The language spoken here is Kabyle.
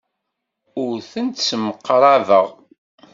Ur tent-ssemqrabeɣ.